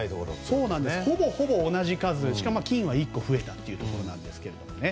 ほぼほぼ同じ数しかも金は１個増えたというところなんですが。